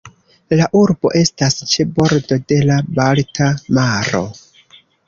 La urbo estas ĉe bordo de la Balta maro.